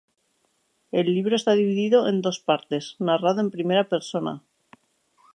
El libro está dividido en dos partes, narrado en primera persona.